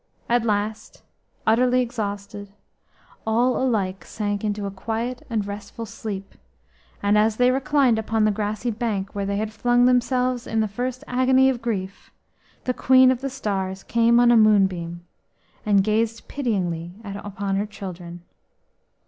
At last, utterly exhausted, all alike sank into a quiet and restful sleep, and as they reclined upon the grassy bank where they had flung themselves in the first agony of grief, the Queen of the Stars came on a moonbeam and gazed pityingly upon her children.